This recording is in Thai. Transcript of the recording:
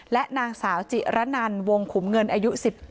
และนางสาวจิระนันวงขุมเงินอายุ๑๗